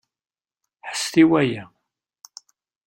Ḥesset i waya!